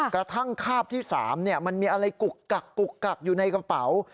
กระทั่งคาบที่สามเนี่ยมันมีอะไรกุกกักกุกกักอยู่ในกระเป๋า